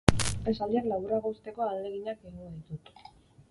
Esaldiak laburrago uzteko ahaleginak egingo ditut.